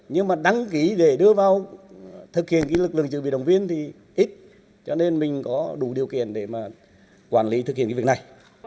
nhưng đăng ký để đưa vào thực hiện lực lượng dự bị đồng viên thì ít cho nên mình có đủ điều kiện để quản lý thực hiện việc này